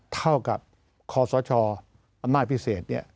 เท่ากับคอสชอำนาจพิเศษ